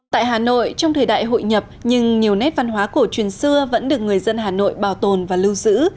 tại hà nội trong thời đại hội nhập nhưng nhiều nét văn hóa cổ truyền xưa vẫn được người dân hà nội bảo tồn và lưu giữ